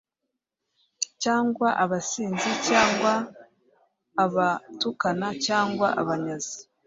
cyangwa abasinzi, cyangwa abatukana, cyangwa abanyazi;